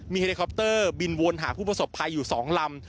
เฮลิคอปเตอร์บินวนหาผู้ประสบภัยอยู่๒ลำ